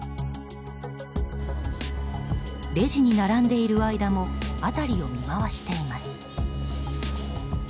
レジに並んでいる間も辺りを見回しています。